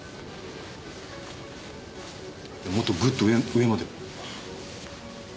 もっとぐっと上上まで。